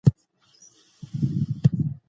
ترکیه یو ښکلی کوربه دی.